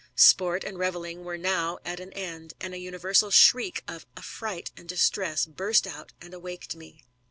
Sport and revelling were now at an end, and an universal shriek of affright and distress burst out and awaked me.